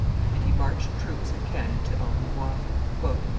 And he marched troops and cannon to Angoumois.